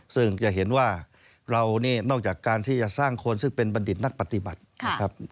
ซึ่งจะเห็นว่าเรานี่นอกจากการที่จะสร้างคนซึ่งเป็นบัณฑิตนักปฏิบัตินะครับ